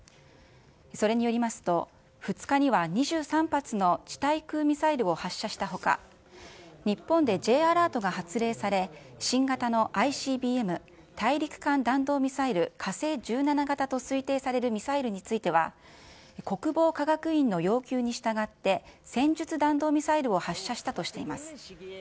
それによりますと、２日には２３発の地対空ミサイルを発射したほか、日本でＪアラートが発令され、新型のＩＣＢＭ・大陸間弾道ミサイル、火星１７型と推定されるミサイルについては、国防科学院の要求に従って、戦術弾道ミサイルを発射したとしています。